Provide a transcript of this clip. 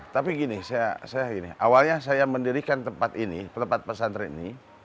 tapi gini saya gini awalnya saya mendirikan tempat ini tempat pesantren ini